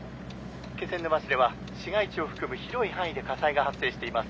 気仙沼市では市街地を含む広い範囲で火災が発生しています。